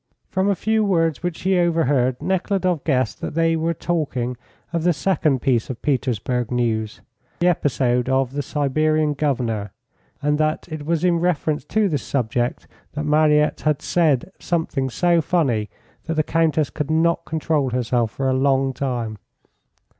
From a few words which he overheard, Nekhludoff guessed that they were talking of the second piece of Petersburg news, the episode of the Siberian Governor, and that it was in reference to this subject that Mariette had said something so funny that the Countess could not control herself for a long time.